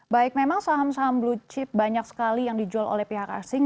baik memang saham saham blue chip banyak sekali yang dijual oleh pihak asing